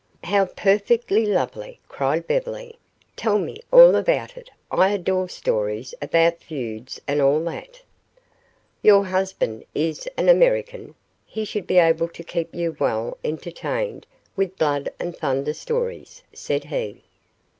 "How perfectly lovely," cried Beverly. "Tell me all about it. I adore stories about feuds and all that." "Your husband is an American. He should be able to keep you well entertained with blood and thunder stories," said he.